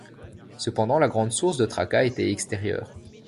Cependant, la grande source de tracas était extérieure.